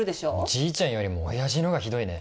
じいちゃんよりも親父の方がひどいね。